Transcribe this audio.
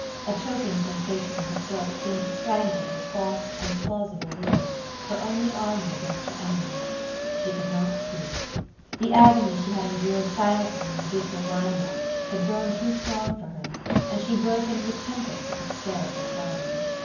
A choking sensation in her throat seemed to strangle those false and plausible words, her only armor against her enemies. She could not speak. The agony she had endured silently in the dismal lime walk had grown too strong for her, and she broke into a tempest of hysterical sobbing.